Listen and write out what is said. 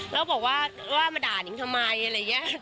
แล้วบอกว่ามาด่านิงทำไมอะไรอย่างนี้